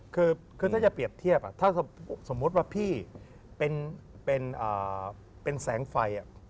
คือถ้าจะเปรียบเทียบถ้าสมมุติว่าพี่เป็นแสงไฟ